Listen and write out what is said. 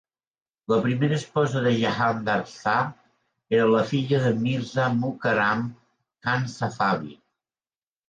La primera esposa de Jahandar Shah era la filla de Mirza Mukarram Khan Safavi.